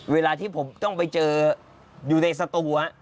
เวลาที่ผมต้องไปเจออยู่ในสตู